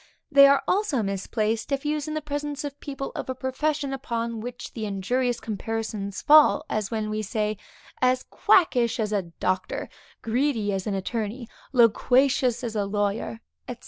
They are also misplaced, if used in the presence of people of a profession upon which the injurious comparisons fall, as when we say; As quackish as a doctor; greedy as an attorney; loquacious as a lawyer, &c.